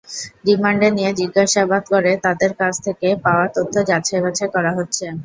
রিমান্ডে নিয়ে জিজ্ঞাসাবাদ করে তাঁদের কাছ থেকে পাওয়া তথ্য যাচাই-বাছাই করা হচ্ছে।